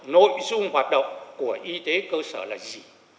nội dung hoạt động của y tế cơ sở là gì